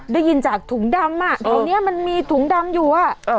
ได้ยินจากถุงดำอ่ะตรงเนี้ยมันมีถุงดำอยู่อ่ะอ้า